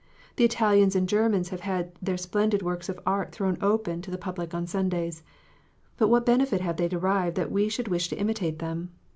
The Italians and Germans have had their splendid works of art thrown open to the public on Sundays. But what benefit have they derived that we should wish to imitate them?